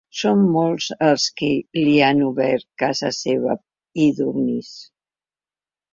Són molts els qui li han obert casa seva hi dormís.